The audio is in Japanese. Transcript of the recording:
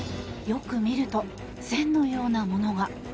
よく見ると線のようなものが。